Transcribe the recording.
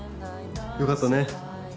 よかったね。